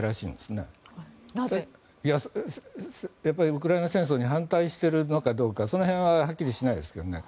ウクライナ戦争に反対しているのかどうかその辺ははっきりしていないですけどね。